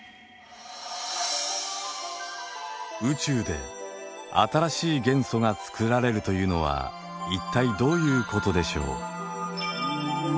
宇宙で新しい元素が作られるというのは一体どういうことでしょう。